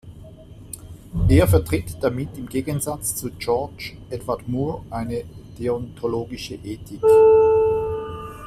Er vertritt damit im Gegensatz zu George Edward Moore eine deontologische Ethik.